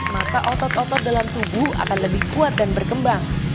maka otot otot dalam tubuh akan lebih kuat dan berkembang